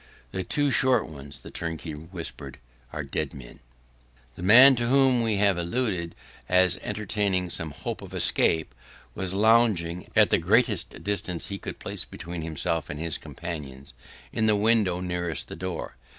'The two short ones,' the turnkey whispered, 'were dead men.' The man to whom we have alluded as entertaining some hopes of escape, was lounging, at the greatest distance he could place between himself and his companions, in the window nearest to the door.